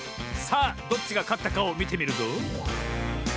さあどっちがかったかをみてみるぞ。